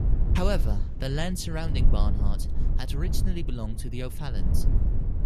However, the land surrounding Barnhart had originally belonged to the O'Fallons.